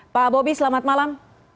pak bobby selamat malam